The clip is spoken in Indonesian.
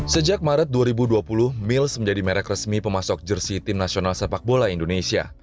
sejak maret dua ribu dua puluh mils menjadi merek resmi pemasok jersi tim nasional sepak bola indonesia